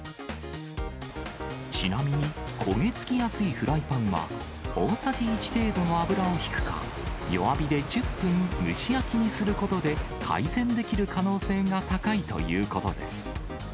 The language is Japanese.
ちなみに、焦げ付きやすいフライパンは、大さじ１程度の油を引くか、弱火で１０分蒸し焼きにすることで、改善できる可能性が高いということです。